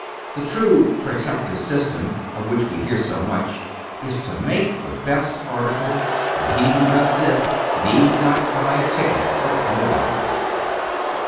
The true "protective system," of which we hear so much, is to make the best article; and he who does this need not buy a ticket for Colorado.